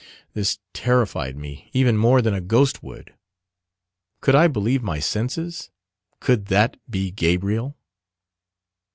This terrified me even more than a ghost would. Could I believe my senses? Could that be Gabriel?